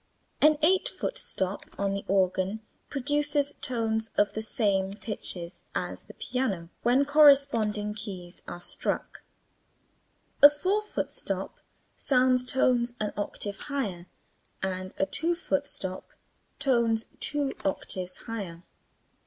An eight foot stop on the organ produces tones of the same pitches as the piano when corresponding keys are struck: A four foot stop sounds tones an octave higher and a two foot stop tones two octaves higher.